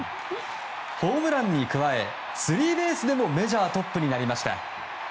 ホームランに加えスリーベースでもメジャートップになりました。